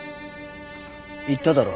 言っただろ？